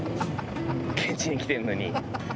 現地に来てんのに。